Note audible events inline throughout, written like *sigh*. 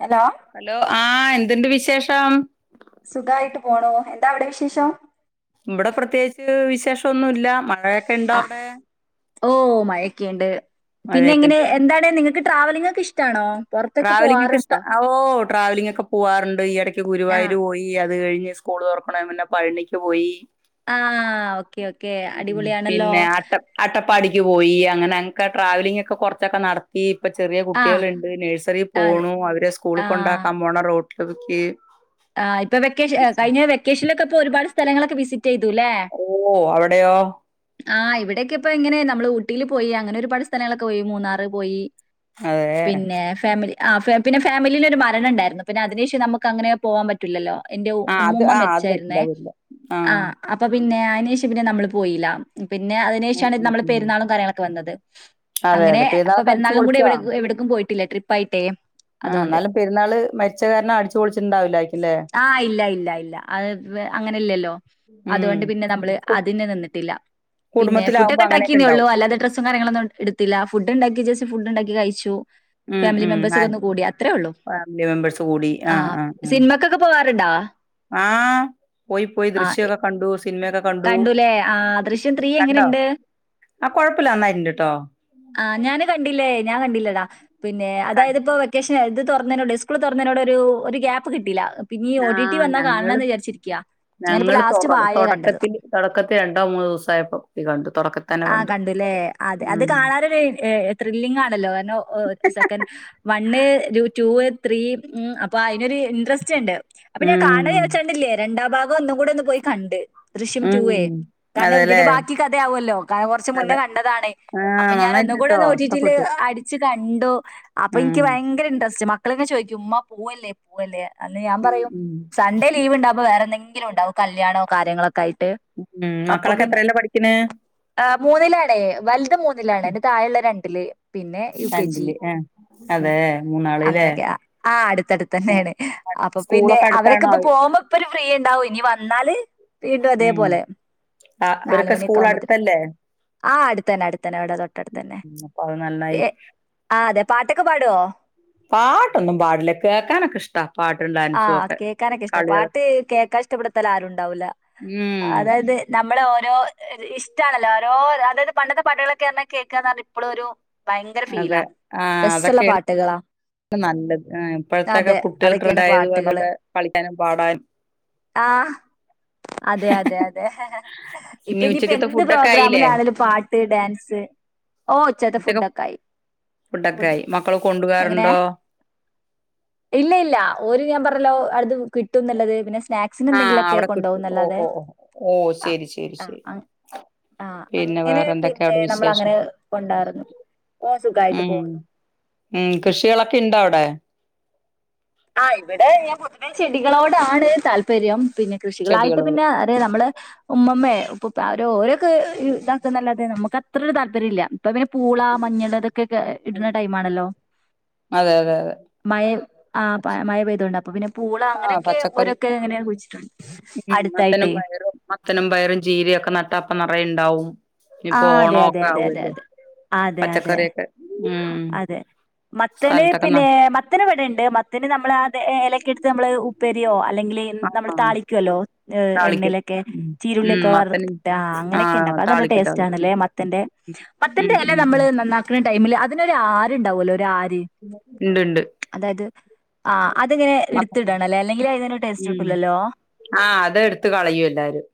Hello hello ആഹ് എന്തിണ്ട് വിശേഷം സുഖായിട്ട് പോണു അവിടെ വിശേഷം ഇവ്ടെ പ്രത്യേച്ച് വിശേഷൊന്നുല്ല മഴെക്കെണ്ടോ അവിടെ ഓഹ് മയെക്കെണ്ട് പിന്നെ മഴയൊക്കെ എങ്ങനെ ഇണ്ട് എന്താണ് നിങ്ങക്ക് ട്രാവലിംഗക്കെ ഇഷ്ടാണോ പുറത്തൊക്കെ ട്രാവലിങ്ങക്കെഷ്ട പോവാറുണ്ടോ ഓഹ് ട്രാവലിംഗക്കെ പോവാറിണ്ട് ഈ എടയ്ക്ക് ആ ഗുരുവായൂര് പോയി അത് കഴിഞ്ഞ് സ് സ്കൂള് തൊർക്കിണേ മുന്നെ പഴ്ണിക്ക് പോയി ആ ഓക്കെ ഓക്കെ അടിപൊളിയാണല്ലോ പിന്നെ ആട്ട അട്ടപ്പാടിക്ക് പോയി അങ്ങനെ അങ്ങ്ക ട്രാവലിംഗക്കെ കൊർച്ചൊക്കെ നടത്തി ഇപ്പ ചെറ്യെ ആ കുട്ട്യാളിണ്ട് നേഴ്സ് ആ പോണു അവരെ സ്കൂള് ആ കൊണ്ടാക്കാൻ പോണ റോട്ലടക്ക് ആഹ് ഇപ്പെ വെക്കേഷ ഏഹ് കൈഞ്ഞ വെക്കേഷനൊക്കെ ഇപ്പോ ഒരുപട് സ്ഥലങ്ങളൊക്കെ വിസി റ്റെയ്തു ലേ ഓ അവിടെയോ ആഹ് ഇവിടെക്കെ ഇപ്പോ എങ്ങെനെ നമ്മള് ഊട്ടീല് പോയി അങ്ങനെ ഒരുപാട് സ്ഥലങ്ങളൊക്കെ പോയി മൂന്നാറ് പോയി അതെ പിന്നെ ഫാമിലി ആഹ് ഫാ പിന്നെ ഫാമിലീലൊരു മരണണ്ടായ്രുന്നു പിന്നെ അതിനേഷം നമുക്ക് അങ്ങനെ പോവാൻ പ റ്റുലല്ലോ എന്റെ ആ അത് ഉമ്മൂമ്മ ആ അത് പറ്റില്ല മര്ച്ചായിര്ന്നേ അത് പറ്റില്ല ആഹ് അപ്പൊ പിന്നെ അയ്നേഷം പിന്നെ നമ്മള് പോയീല്ല പിന്നെ ഉം അതിനേഷാണ് ഉം നംള് ഉം പെര്ന്നാളും കാര്യങ്ങളൊക്കെ വന്നത് അതെ അങ്ങനെ അതെ അപ്പൊ പെരുന്നാളൊക്കെ അടിച്ചു പെര്ന്നാൾനും കൂടി പൊളിച്ചോ? ഇവ്ടെകു എവ്ടിക്കും പോയിട്ടില്ല ട്രിപ്പായ്ട്ടേ ആഹ് ഇന്നാലും പെര്ന്നാള് മര്ച്ച കാര്ന അട്ച്ചൊൾചിണ്ടാവില്ലാ ആഹ് ഇല്ല ഇല്ല ഇല്ല അത് അങ്ങനെ ഇല്ലല്ലോ ഉം അതുകൊണ്ട് പിന്നെ നമ്മള് കു അതിന് നിന്നിട്ടില്ല പിന്നെ കുടുംബത്തിലാവുമ്പോ ഫുഡ്ഡക്കെ അങ്ങനെയൊക്കെ ഇണ്ടാക്കീന്നൊള്ളൂ ഇണ്ടാവും. അല്ലാതെ ഡ്രസ് സും കാര്യങ്ങളൊന്നും ഇട്ത്തില ഫുഡ്ഡിണ്ടാക്കി ജെസ്റ്റ് ഫുഡ്ഡിണ്ടാക്കി കഴിച്ചു ഉം ഫാമിലി ഉം മെമ്പേഴ്സക്കെ ആഹ് ഒന്ന് കൂടി അത്രേ ഒള്ളു ഫാമിലി മെമ്പേഴ്സ് കൂടി ആഹ് ആഹ് ക്കൊക്കെ പോവാറ്ണ്ടാ ആഹ് പോയി പോയി ദൃശ്യൊക്കെ കണ്ടു സിൻമ്യക കണ്ടു കണ്ടുല്ലേ. ആ ദൃശ്യം ത്രീ കണ്ടോ എങ്ങനെയുണ്ട്? ആഹ് കൊഴപ്പല്ല നന്നായിണ്ട്ട്ടോ ആഹ് ഞാന് കണ്ടില്ലേ ഞാൻ കണ്ടില്ലെടാ പിന്നെ ക അതായ്ത് ഇപ്പോ ക്കെഷാ ഇത് തൊർന്നീനോണ്ട് സ്കൂൾ തൊന്നീനോടൊരു ഒരു ഗ്യാപ്പ് കിട്ടീല്ല പിന്നീ ഒ ടി ടി ആഹ് വന്നാ ഞങ്ങള് കാണണന്ന് വിചാര്ച്ചിരിക്കാ ഞാനിപ്പോ ഞങ്ങള് തൊറ ലാസ്റ്റ് വായേ കണ്ടത് തൊടക്കത്തില് തൊടക്കത്തി രണ്ടോ മൂന്നോ ദൂസായപ്പോ യി കണ്ടു തൊട ആഹ് കണ്ടു ലേ അത് അത് കാണാനൊര് ഏഹ് ത്രില്ലിങ്ങാണല്ലോ കാരണം സെക്കൻ വണ്ണ് ടു ത്രീ ഉം അപ്പൊ അയ്നൊര് ഇൻട്രസ്റ്റ്ണ്ട് അപ്പൊ ഞാൻ ഉം കാണാ ര്ച്ചാണ്ടില്ലേ രണ്ടാം ഭാഗൊന്നും കൂടെ ഒന്ന് പോയി കണ്ട് ദൃശ്യം ഉം ടുവേ കാര്ണം അതെല്ലേ ഇതിൻ്റെ ബാക്കി കഥയാവ്വോല്ലോ കൊർച്ച മുന്നേ അതെ കണ്ടതാണ് അപ്പൊ ആഹ് ഞാന് ഒന്നും നന്നായിട്ടുണ്ട് കൂടെ ട്ടോ ഒന്നോടി ടീ ല് ഇഷ്ടപ്പെട്ടു. അടിച്ച് കണ്ടു അപ്പ ഉം ഇൻക്ക് ഭയ്ങ്ക്ര ഇൻട്രസ്റ്റ് മക്കളിങ്ങനെ ചോദിക്കും ഉമ്മ പൂവല്ലേ പൂവല്ലേ അന്ന് ഞാൻ ഉം പറയും ഉം സൺഡേ ലീവ് ഇണ്ടാവ്മ്പോ വേറെ എന്തെങ്കിലുണ്ടാവും കല്യാണോ കാര്യങ്ങളൊക്കായിട്ട് ഉം മക്കളൊക്കെ എത്രേലാ പഠിക്കിണ് ഏഹ് മൂന്നിലാണേ വൽത് മൂന്നിലാണ് ൻ്റെ തായെള്ളെ രണ്ടില് പിന്നെ യു കെ ജി രണ്ടില് ആഹ് ഉം അതേ മൂന്നാള്ല്ലേ അങ്ങനെക്കെ ആഹ് അടുത്തട് ആഹ് തെന്നേണ് അപ്പൊ പിന്നെ സ്കൂളൊക്കെ അവരൊക്കെ അടുത്താണോ ഇപ്പ പോമ്പോ ഇപ്പൊരു ഫ്രീയിണ്ടാവും ഇഞി വന്നാല് വീണ്ടും ഉം അതേപോലെ ആഹ് അവരൊക്കെ നാലുമണിയൊക്കെ സ്കൂൾ ആമ്പോത്തിന് അടുത്തല്ലേ ആഹ് അട്ത്തന്നെ അട്ത്തന്നെ ഇവ്ടെ തൊട്ടട്ത്തന്നെ ഉം അപ്പൊ അത് നന്നായി ഏഹ് ആവ് അതെ പാട്ടൊക്കെ പാടോ പാട്ടൊന്നും പാടില്ല കേക്കാനൊക്കെ ഇഷ്ട പാട്ടും ആ ഡാൻസുംക്കെ കേൾക്കാനൊക്കെ ഇഷ്ട കളികളൊക്കെ പാട്ട് കേൾക്കാൻ ഇഷ്ടപ്പെടുത്താൽ ആരുണ്ടാവൂല്ല ഉം നമ്മള് ഓരോ ഇഷ്ട്ടാണല്ലോ ഓരോ അതായത് പണ്ടത്തെ പാട്ടുകളൊക്കെഞ്ഞാ കേക്കാന്ന് പറഞാ ഇപ്പഴും ഒരു ഭയങ്കര അതെ ഫീലാ ആഹ് രസള്ള അതൊക്കെയാണ് പാട്ടുകളാ നല്ലത് ഇപ്പോഴത്തെൊക്കെ അതെ. കുട്ടികൾ അതൊക്കെയാണ് പ്രണ്ടായത് പാട്ടുകള്. പറഞ്ഞെ കളിക്കാനും പാടാനും ആഹ് അതെ അതെ അതെ ഇപ്പ ഇനി ഇനിയിപ്പ എ ഉച്ചക്കത്തെ എന്ത് ഫുഡൊക്കെ ആയില്ലേ പ്രോഗ്രാമിലാണേലും പാട്ട് ഡാൻസ് ഓ ഉച്ചത്തെ ഫുഡക്കെ ആയി ഫുഡ് ഒക്കെ ആയി മക്കൾ കൊണ്ടു പോകാറുണ്ടോ ഇല്ലല്ല ഓര് ഞാൻ പറഞ്ഞില്ലേ കിട്ടുന്ന് ള്ളത് പിന്നെ സ്നാക്ക് ആഹ് അവിടെ കിട്ടു ഓഹ് ഓഹ് ഓഹ് ഓഹ് ആഹ് ശരി ശരി ശരി ആഹ് ആഹ് പിന്നെ അങ്ങനെ വേറെ എന്തൊക്കെയ അവിടെ പിന്നെ നമ്മൾ വിശേഷം അങ്ങനെ കൊണ്ടാറുന്നു ഓഹ് സുഖായിട്ട് ഉം പോകുന്നു ഉം കൃഷികളൊക്കെ ഇണ്ടോ അവിടെ ആഹ് ഇവിടെ ഞാൻ പൊതുവേ ചെടികളോട് ആണ് താല്പര്യം പിന്നെ കൃഷികളായിട്ട് ചെടികള് പിന്നെ അത നമ്മള് ഉമ്മമ്മ ഉപ്പ അവ ഓരോ ഇതാക്ക നല്ലത നമുക്കത്ര താല്പര്യല്ല ഇ പിെ പൂള മഞ്ഞൾ ഇതൊക്കെ ഇടുന്ന ടൈ ആണല്ലോ അതെ അതെ അതെ മഴ ആഹ് മഴ പെയ്തൊണ്ട് അപ്പൊ പിന്നെ പൂള ആഹ് അങ്ങനെയൊക്കെ പച്ചക്കറി ഓരൊക്കെ എങ്ങനെയ കുയ്ച്ചിട്ടുണ്ട് ഉം മത്തനും അടുത്തായിട്ടേ പയറും മത്തനും പയറും ചീരയയുംക്കെ നട്ടപ്പ നിറയുണ്ടാവും ആഹ് അതെ അതെ അതെ അതെ അതെ അതെ അതെ പച്ചക്കറിയൊക്കെ ഉം അതെ മത്തനേ സ്ഥലത്തൊക്കെ ന പിന്നെ മ മത്തന് ഇവിടെണ്ട് മത്തിന് നമ്മൾ അത് ഇലക്ക എടുത്ത് നമ്മള് ഉപ്പരിയോ അല്ലെങ്കിൽ നമ്മള് ആഹ് താളിക്കുവല്ലോ ഏഹ് താളിക്കും എണ്ണയിലൊക്കെ ഉം ഉം ചീരുള്ളിയൊക്കെ വറു മത്തനും അങ്ങനെയൊക്കെ ആഹ് ഉണ്ടാക്കും അത് നല്ല താളിക്കും ടേസ്റ്റ് താളിക്കും ആണല്ലേ മത്തന്റെ ഉം മത്തന്റെ അല ഉം ഉം നമ്മള് നന്നാക്കുന്ന ടൈമില് അതിനൊരു ആരുണ്ടാവല്ലോ ഒരു ആര് ഉണ്ട്ണ്ട് ആഹ് അതെങ്ങനെ എടുത്തിടണല്ലേ അല്ലെങ്കിൽ അതിനറെ ടേസ്റ്റ് ഉം കിട്ടൂലല്ലോ ആഹ് അതെടുത്ത കളയും എല്ലാരും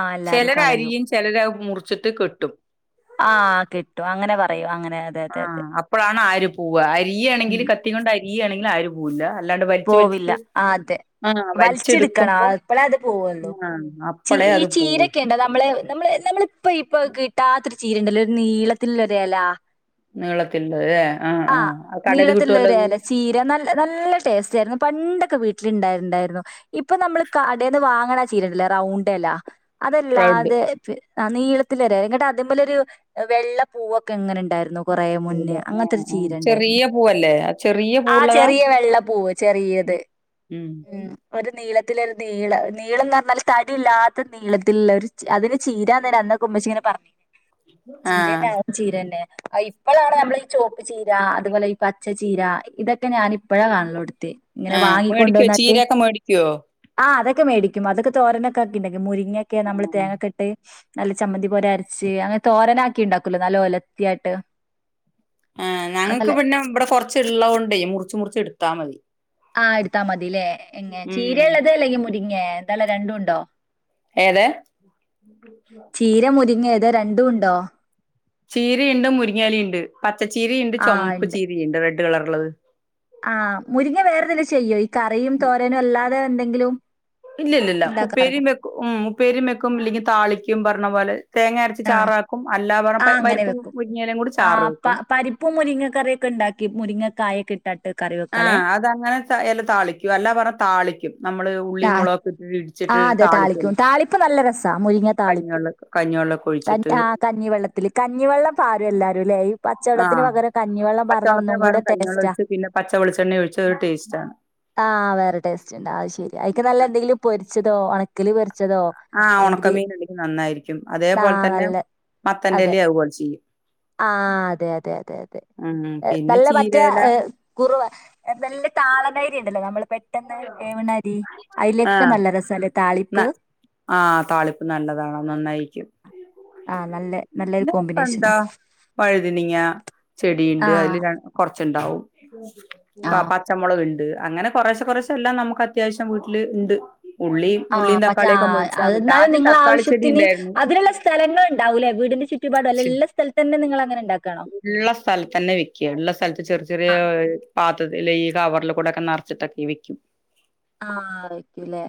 ആഹ് എല്ലാരും ചിലര് കള അരിയും ചിലര മുറിച്ചിട്ട് കെട്ടും ആഹ് കിട്ടും അങ്ങനെ പറയോ അങ്ങനെ അതെ അതെ അതെ ആഹ് അപ്പഴാണ് ആര് പൂവ അരിയാണെങ്കിൽ ഉം കത്തിനൊണ്ട് അരിയാണെങ്കിൽ ആര് പോവില്ല അല്ലാണ്ട് വലിച്ച് പോവില്ല വലിച്ചിട്ട് ആ അതെ ആഹ് വലിച്ചെടുക്കണം വലിച്ചെടുക്കുമ്പോ അപ്പളെ അത് പോവല്ലോ ആഹ് ച അപ്പളേ അത് പോവൂ ചീരക്കെ ഉണ്ടോ നമ്മളെ നമ്മ നമ്മള് ഇപ്പൊ ഇപ്പൊ കിട്ടാത്തൊരു ചീര ഉണ്ടല്ല ഒരു നീളത്തി ഒരല്ലാ നീളത്തിുള്ള ഏഹ് ആഹ് ആ കടത് നീളത്തിലുള്ള ഒരു കിട്ടുവല്ലോത് എല ചീര നല്ല നല്ല ടേസ്റ്റ് ആയിരുന്നു പണ്ടൊക്കെ വീട്ടില ഇണ്ടായിണ്ടായിരുന്നു ഇപ്പൊ നമ്മള് കടന്ന് വാങ്ങണ ചീരണ്ടല്ലേ റൗണ്ടല്ല അതല്ല റൗണ്ട് അതെ നീളത്തി വരങ്ങട്ട് അതമ്മലെരു വെള്ളപ്പൂവൊക്കെ എങ്ങനെ ഉണ്ടായിരുന്നു കൊറേ മുന്നേ പൂവ്‌ല് ആഹ് അങ്ങനെതൊരു ചീര ആഹ് ണ്ടായിരുന്നു ചെറിയ പൂവല്ലേ ആ ചെറിയ ആഹ് പൂവുള്ളതാ ചെറിയ വെള്ള പൂവ് ടിയത് ഉം ഒരു നീളത്തില ഒരു നീള് നീളന്ന് പറഞ്ഞാല് തടി ഇല്ലാത്ത നീളത്തി ഒരു അതിന് ചീരാ തന്നെ അന്ന് *unintelligible* *inaudible* ചീരന ആഹ് ചീരന്നെ ഇപ്പോഴാണ് നമ്മള ഈ ചോപ്പ് ചീര അതുപോലെ ഈ പച്ചച്ചീര ഇതൊക്കെ ഞാൻ ഇപ്പഴാ കാണലോടു ഇങ്ങനെ ആഹ് മേടിക്കോ വാങ്ങിക്കൊണ്ടുവന്നട്ട് ചീരയൊക്കെ മേടിക്കോ ആഹ അതൊക്ക മേടിക്കും അതൊക്കെ തോരൊക്കെ ഉണ്ടാക്കി മുരിങ്ങക്കെമ്മള് തേങ്ങക്ക ട്ട് നല്ല ചമ്മന്തി പോലെ അരച്ച് അങ്ങനെ തോരനാക്കി ഉണ്ടാക്കല്ലോ നല്ല ഒലത്തി ആായിട്ട് ഞങ്ങൾക്ക് പിന്നെ ഇവിടെ കുറച്ച് ള്ളകൊണ്ടേ മുറിച്ച് മുറിച്ച് എടുത്താൽ മതി. ആഹാ അടുത്താ മതില്ലേ എങ്ങ ഉം ചീരയള്ളത് അല്ലെങ്കിൽ മുരിങ്ങ എന്തളളത് രണ്ടും ഉണ്ടോ? ഏത്- തീര മുരിങ്ങ ഏതാ രണ്ടും ഉണ്ടോ? ചീരയുണ്ട് മുരിങ്ങാലിണ്ട് പച്ചച്ചീരണ്ട് ആ ചുമപ്പ് ചീരിണ്ട് റെഡ് കളർ ഉള്ളത്. ആഹാ മുരിങ്ങ വേറെ എന്തെലും ചെയ്യോ ഈ കറിയും തോരനും അല്ലാതെ എന്തെങ്കിലും? ഇല്ല ഇല്ലില്ല ഉണ്ടാക്കാറ് ഉപ്പേരിയും വെക്കും ഉ ഉപ്പേരിയും വെക്കും ഇല്ലെങ്കിൽ താളിക്കും പറഞ്ഞ പോലെ തേങ്ങ അരച്ച് ആ ചാറാക്കും. കും അല്ലാ പറ ആ അങ്ങനെ പരിപ്പും മുരിങ്ങയിലയും കൂടി ചാറ് വെക്കും ഇപ്പൊ മുരിങ്ങക്കറയൊക്കെ ഉണ്ടാക്കി മുരിങ്ങക്കായൊക്കെ രണ്ട് കറി വേ ആ അതങ്ങനെ എല്ല താളിക്കും അല്ലാ പറഞ്ഞാ താളിക്കും നമ്മള് ഉള്ളി മുളകൊക്കെ ഇട്ട് ആഹാ അതെ താളിക്കും താളിപ്പ് നല്ല രസാ മുരിങ്ങ താളിപ്പ് കഞ്ഞിവെള്ളൊക്കെ കഞ്ഞിവെള്ളൊക്കെ ഒഴിച്ചിട്ട് ആ കഞ്ഞിവെള്ളം കഞ്ഞിവെള്ളം പാരും എല്ലാരുംല്ല ഈ പച്ചവെള്ളത്തിന് ആഹ് പകരം കഞ്ഞിവെള്ളം പർന്നാ പച്ചവെള്ളത്തിന് ഒന്നും കൂടെ പകരം കഞ്ഞിവെള്ളം ടേസ്റ്റാ ഒഴിച്ച് പിന്നെ പച്ചവെളിച്ചെണ്ണ ഒഴിച്ച ഒരു ടെസ്റ്റ് ആണ് ആഹ് വേറെ ടേസ്റ്റ്ണ്ട് അത് ശരി അയിക്ക് നല്ല എന്തെങ്കിലും പൊരിച്ചതോ ഉണക്കില് പൊരിച്ചതോ ആഹ് അല്ലെങ്കില് ഉണക്കമീൻ ഉണ്ടെങ്കിൽ നന്നായിരിക്കും ആ അതെപോലെ തന്നെ നല്ല മത്തന്റെല്ലാ അത്പോലെ ചെയ്യും ആഹാ അതെ അതെ അതെ അതെ ഉം പിന്നെ നല്ല മറ്റേ ചീരയില കുറവ നല്ല താളനാരി ഉണ്ടല്ലോ നമ്മളെ പെട്ടെന്ന് ഏവിണരി അതിലേക്കൊക്കെ നല്ല രസല്ലേ താളിപ്പ് ആഹാ താളിപ്പ് നല്ലതാണ് നന്നായിരിക്കും. ആഹാ നല്ല നല്ലൊരു പിന്നെ ഇപ്പോന്ത കോമ്പിനേഷനാ വഴുതനങ്ങ ചെടിണ്ട് അതിൽ ആഹ് രണ്ട് കുറച്ചുണ്ടാവും ക പ പച്ചമുളക്ണ്ട് അങ്ങനെ കുറെശെ. കുറച്ചെല്ലാം നമുക്ക് അത്യാവശ്യം വീട്ടിൽണ്ട് ആഹാ പ ജാ മതി ആദ്യം നിങ്ങളെ തക്കാളി ചെടി ആവശ്യത്തിന് ഉണ്ടായിരുന്നു അതിനുള്ള സ്ഥ സ്ഥലങ്ങള് ഉണ്ടാവുല്ലേ വീടിന്റെ ചുറ്റുപാടു അല്ല ള്ള സ്ഥലതന്നെ നിങ്ങൾ അങ്ങനെ ഉണ്ടാക്കാണോ ഉള്ള സ്ഥലത്തന്നെ വെക്കിയാണ് ള്ള സ്ഥലത്ത് ചെറിയ ചെറിയ ആഹ് പാത്രത്തിൽ ഈ കവറൽ കൂടെക്കെ നറച്ചിട്ടൊക്കെ വെക്കിയും. *unintelligible* *inaudible* ആഹാ വെയ്ക്കൂല്ലേ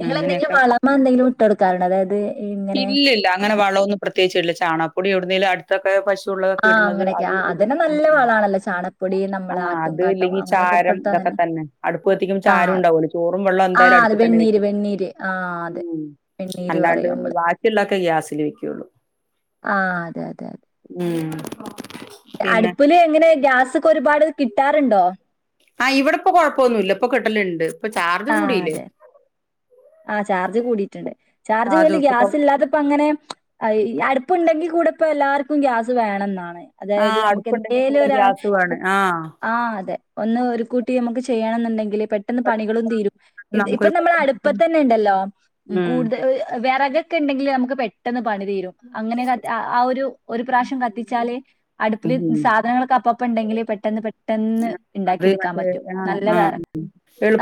നിങ്ങള് ന്തെങ്കിലും വളറ്മ എന്തെങ്കിലും ഇട്ട്ടുക്കാറുണ്ടോ അതായത് ഇങ്ങനെ ഇല്ലില്ല. ഇല്ല അങ്ങന വളോന്നും. പ്രത്യേച്ച്ല്ല ചാണപ്പൊടി എവിടുന്നേലും ആ ഇതൊക്കെ പശുള്ളതൊക്കെ ആഹ് ഇട്ണത് അങ്ങനെയൊക്കെ അത് ആഹ് ഇടും അതന്നെ നല്ല വളാണല്ലോ ചാണപ്പൊടി നമ്മളെ ആഹ് ആട്ടും അത് കാട്ടം ഇല്ലെങ്കി അങ്ങനെയൊക്കെ ഇട്ട് ചാരം. കൊടുത്താ ഇതൊക്കെ തന്നെ അടുപ്പ് കത്തിക്കുമ്പോ ചാരം ആഹ് ണ്ടാവോലോ ചോറും വെള്ളം ആഹ് എന്തായാലും അത് അടുപ്പ തന്നെ വെണ്ണീര് വെക്കിയും വെണ്ണീര് ആഹ് അതെ മ്മ്. വെണ്ണീര് അല്ലാണ്ട് പറയും നമ്മള് വാക്കിയുള്ളക്കെ ഗ്യാസിൽ വെക്ക്യോള്ളൂ. ആഹാാ അതെ അതെ മ്മ്. അടുപ്പില് എങ്ങനെ ഗ്യാസൊക്കെ ഒരുപാട് കിട്ടാറുണ്ടോ? ആഹാ ഇവിടെപ്പോ കോഴപ്പമൊന്നുല്ല ഇപ്പോ കിട്ടല്ണ്ട് അത് കൂടില്ലേ ആഹാ ചാർജ് കൂടിയിട്ട്ണ്ട് ചാർജ് കൂടുതല് ഗ്യാസ് ഇല്ലാതപ്പ അങ്ങനെ അ ഈ അടുപ്പണ്ടെങ്കിൽ കൂടെ ഇപ്പോ എല്ലാർക്കും ഗ്യാസ് വേണം ന്നാണ്. ആ അതായത് നമുക്ക് അടുപ്പുണ്ടെങ്കി എന്തേലും കൂടെ ഒരാ ഗ്യാസ് വേണം. ആ ആഹാ അതെ ഒന്ന് ഒരു കൂട്ടി നമുക്ക് ചെയ്യണം എന്നുണ്ടെങ്കിൽ പെട്ടെന്ന് പണികളും തീരും. ഇപ്പം നമുക്കൊരു നമ്മളെ പെട്ടെന്ന് അടുപ്പതന്നെ ണ്ടല്ലോ ഉം. കൂടുതൽ വേറക് ണ്ടെങ്കിൽ നമുക്ക് പെട്ടെന്ന് പണി തീരും അങ്ങനെ ആഹ ഒരുപ്രാവശ്യം കത്തിച്ചാല് അടുപ്പില് ഉം. സാധനങ്ങളൊക്കെ അപ്പപ്പ ണ്ടെങ്കില് പെട്ടെന്ന് പെട്ടെന്ന് ണ്ടാക്കി എടുക്കാൻ പറ്റും. ആഹാ നല്ല ആഹ്ഹ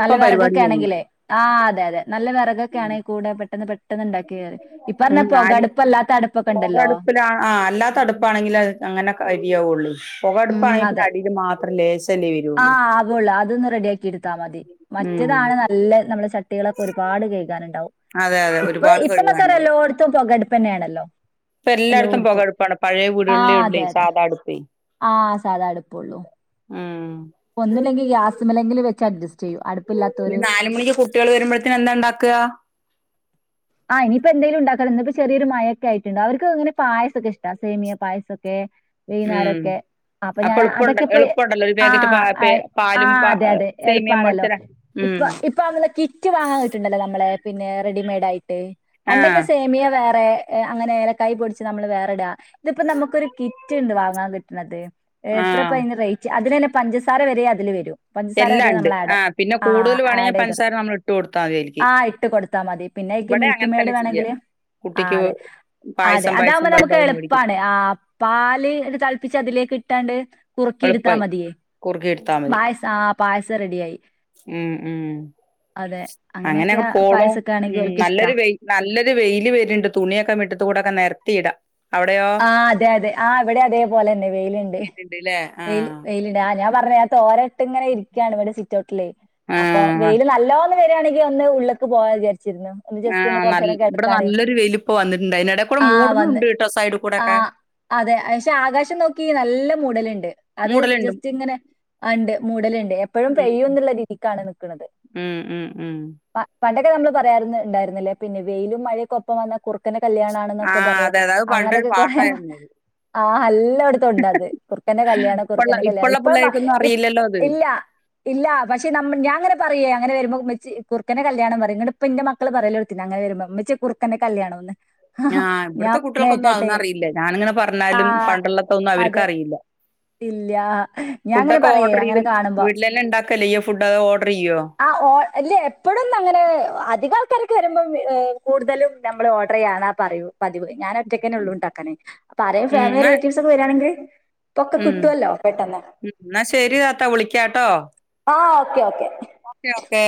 നല്ല വിറകൊക്കെ പരിപാടിയും കഴിയും. ആണെങ്കിലേ ആഹ് അതെ അതെ നല്ല ഉം വറകൊക്കെയാണെ കൂടെ പെട്ടെന്ന് പെട്ടന്ന്.. പെട്ടെന് ണ്ടാക്കിയും ഇപ്പോ എന്നാ പോക അടുപ്പല്ലാത്ത അടുപ്പൊക്കെ ഉണ്ടല്ലോ ആഹ് അല്ലാത്ത അടുപ്പാണെങ്കിൽ അങ്ങനെ കരിയാവുള്ളു ഉം പുകടുപ്പായെ പിന്ന അതെ അടിയിൽ മാത്രം ലേശം ആഹ് ആവൊള്ളൂ അതൊന്ന് റെഡിയാക്കി എടുത്താ മതി ഉം മറ്റേതാണ് ന ല്ലേ നമ്മള് ചട്ടികളൊക്കെ ഒരുപാട് കയികാനുണ്ടാവും അതെ അതെ ഇപ്പം ഒരുപാട് ഇപ്പ ന്നൊക്കെ കഴുകാണ്ടാവും ല്ലോടത്തും പോകടുപ്പ് ന്നേണല്ലൊ ഇപ്പം എല്ലാട്ത്തും പോകടുപ്പാണ് പഴയ വീടകള്ളേ ആഹ് ഉള്ളി അതെ അതെ സാധാ അടുപ്പേ ആഹ് സാധാ അടുപ്പള്ളൂ മ്മ് പ്പോ ഒന്നില്ലങ്കി ഗ്യാസ് മലങ്കിൽ വെച്ച് അഡ്ജസ്റ്റ് ചെയ്യും അട് ഇനി നാല് മണിക്ക് കുട്ടികൾ വരു പോൾ എന്താ ണ്ടാക്ക ആ ഇഞ് പ്പോ എന്തേയിലു ഉം വിന്നാരെക്കെ അപ്പൊ ഞാന് എളുപ്പണ്ട അതൊക്കെ പ്പേ എളുപ്പമുണ്ടല്ലോ ഒരു പാക്കറ്റ് പാ ആഹ് പേ പാലും ആഹ് പ അതെ അതെ സേമിയം എളുപ്പാണല്ലോ മേടിച്ചരാ ഇപ്പൊ ഉം ഇ ഇപ്പ നമ്മളെ കിറ്റ് വാങ്ങാൻ കിട്ടുണ്ടല്ലോ നമ്മളെ പിന്നെ റെഡിമെയഡ് ആയിട്ട് ആഹ് പണ്ടൊക്കെ സേമിയാ വേറെ അങ്ങന ഏലക്കായി പൊടിച്ച് നമ്മള് വേറേടാ ഇതിപ്പോ നമുക്കൊരു കിറ്റ് ണ്ട് വാങ്ങാൻ കിട്ടണത് എത്ര ആഹ് പയിന് റേറ്റ് അതിലന്നെ പഞ്ചസാര വരെ അതില് വരും പഞ്ചസാര എല്ലാം വരെ ഉണ്ട് നമ്മൾ ആഡ് ആ പിന്നെ ആഹ് കൂടുതൽ ആഡ് വേണമെങ്കിൽ പഞ്ചസാര ചെയ്തെടുക്കും നമ്മൾ ഇട്ട് കൊടുത്താൽ മതി അയിൽക്ക് ആഹ് ഇട്ട് കൊടുത്താ മതി പിന്നെ ഇവിടെ മിൽക്കി അങ്ങനെ മേഡ് തന്നെ ചെയ്യാ വേണങ്കിൽ ആഹ് കുട്ടിക്ക് അതെ അതെ പായസം പായസം അതാകുമ്പോ പറയുമ്പോ നമുക്ക് അത് മേടിക്കും എളുപ്പാണ് ആഹ് പാല് തളപ്പിച്ച് അതിലേക്ക് ഇട്ടാണ്ട് കുറുക്കി എടുത്താ എളുപ്പായി മതിയേ കുറുക്കി എടുത്താ പായസ ആഹ് പായസം റെഡിയായി മ്മ് മ്മ് അതെ. അങ്ങനെയൊക്കെ പോണു പായസൊക്കെ മ്മ് ആണെങ്കി നല്ല ഓൽക്ക് ഇഷ്ടാ. നല്ലൊരു വെയില് നല്ലൊരു വെയില് വര്ണ്ട് തുണിയൊക്കെ മിറ്റത്തുകൂടക്ക നരത്തിയിട ആഹ് അതെ അതെ ആഹ് ഇവിടെ അതേപോലെന്നെ വെയില്ണ്ട് വീട്ടിണ്ട്ല്ലേ വെയിൽ ആഹ് വെയിൽ ണ്ട് ഞാ ഞാൻ പറഞ്ലെ ഞാൻ തോര ഇട്ട് ഇങ്ങനെ ഇരിക്കാണ് ഇവിടെ സിറ്റ് ഔട്ടിലേ അപ്പൊ ആഹ് വെയില് നല്ലോന്ന് വരാണങ്കി ഒന്ന് ഉള്ള്ക്ക് പോവാ വിചാരിച്ചിരുന്നു ഒന്ന് ജസ്റ്റ് ഒന്ന് ആഹ് നല്ല കൊറച്ചേരം ഇവിടെ കെടക്കാന്. നല്ലൊരു വെയില് പ്പോ വന്നിട്ടുണ്ട് അയിനടെ കൂടെ മൂട്ണും ഇണ്ട് സൈഡ് കൂടെക്കെ ആഹ് അതെ പക്ഷെ ആകാശം നോക്കി നല്ല മുടല്ണ്ട് അത് മൂടലുണ്ട് ജസ്റ്റ് ഇങ്ങനെ ആ ഇണ്ട് മൂടലുണ്ട് എപ്പോഴും ഉം പെയ്യും എന്നുള്ള രീതിക്കാണ് നിക്കണത് ഉം ഉം ഉം പണ്ടൊക്കെ നമ്മള് പറയാര്ന്ന് ഉണ്ടായിരുന്നില്ലേ പിന്നെ വെയിലും മഴയൊക്കെ ഒപ്പം വന്നാ കുറു ക്കൻ്റെ കല്യാണാണ് എന്നൊക്കെ ആഹ് പറയാ അതെ അതെ അത് പണ്ടൊരു അങ്ങനൊക്കെ കൊറെ പാട്ടായിരുന്നു ആ എല്ലോട തുണ്ടത് കുറുക്കന്റെ കല്യാണം ഇപ്പള്ള കുറുക്കന്റെ കല്യാണം ഇപ്പള്ള ഇപ്പ പിള്ളേർക്കൊന്നും അറിയില്ലല്ലോ അത് ഇല്ല ഇല്ല പക്ഷെ നമ്മ ഞാങ്ങനെ പറയേ അങ്ങനെ വരുമ്പോ ഉമ്മച്ച് കുറുക്കൻ്റെ കല്യാണം പറയും എന്നിട്ട് ഇപ്പ ഇന്റെ മക്ക മക്കള് പറയല്ല കൊടുത്തിന്ന അങ്ങനെ വരുമ്പൊ ഉമ്മച്ചിയെ കുറുക്കന്റെ കല്യാണം എന്ന് ആ ഇവിടത്തെ കുട്ടികൾക്കൊന്നും അത് ഒന്നും അറിയില്ല ഞാനിങ്ങനെ ആ പറഞ്ഞാലും പണ്ടുള്ളത്തൊന്നും അതെ. അവർക്കറിയില്ല ഇല്ല ഞാൻ അങ്ങനെ ഫുഡൊക്കെ പറയേ ഓർഡർ അങ്ങനെ ചെയ്തും കാണുമ്പോ വീട്ടിലല്ലാം ഉണ്ടാ ക്കല്ലെ ചെയ്യാ ഫുഡ് ഓഡർ ചെയ്യോ ആ ഓ അല്ല എപ്പോഴും അങ്ങനെ അധിക ആൾക്കാരൊക്കെ വരുമ്പോം കൂടുതലും ഞമ്മള് ഓർഡർ യ്യാനാ പറയൂ പതിവ് ഞാൻ ഒറ്റയ്ക്കന്നെ ഉള്ളു ഇണ്ടാക്കാന് അപ്പൊ ആരേം ഉം ഫാമിലി എന്നാ റിലേറ്റീവ്സ് ഒക്കെ വരാണെങ്കിൽ ഒപ്പൊക്കെ കിട്ടുവല്ലോ പെട്ടെന്ന് ഉ എന്നാ ശരി താത്താ വിളിക്കാട്ടോ ആ ഓക്കേ ഓക്കെ ഓക്കെ ഓക്കെ